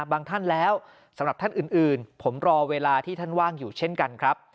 ท่านแล้วสำหรับท่านอื่นผมรอเวลาที่ท่านว่างอยู่เช่นกันครับ